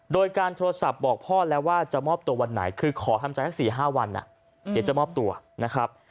โดยการโทรศัพท์บอกพ่อแล้วว่าจะมอบตัววันไหนคือขอทำใจสัก๔๕วันเดี๋ยวจะมอบตัวนะครับ